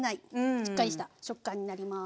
しっかりした食感になります。